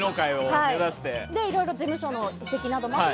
いろいろ事務所の移籍などもあり